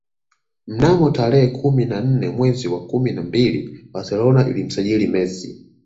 Mnamo tarehe kumi na nne mwezi wa kumi na mbili Barcelona ilimsajili Messi